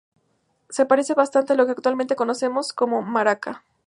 Se parece bastante a lo que actualmente conocemos como "maraca".